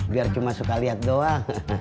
biar cuma suka lihat doang